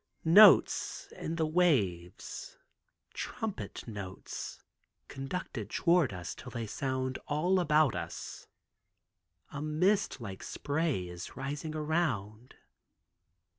Notes in the waves—trumpet notes, conducted toward us till they sound all about us. A mist like spray is rising around.